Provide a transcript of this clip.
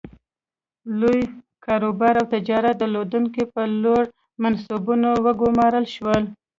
لوی کاروبار او تجارت درلودونکي په لوړو منصبونو وګومارل شول.